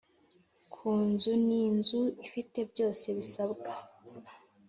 Ku nzu n inzu ifite byose bisabwa